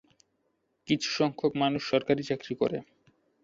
কিছু সংখ্যাক মানুষ সরকারি চাকরি করে।